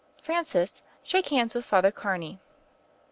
Francis, shake hands with Father Carney."